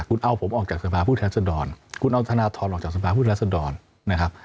คุณเอาผมออกจากสภาผู้แทนสดรคุณเอาธนทรออกจากสภาพุทธรัศดรนะครับ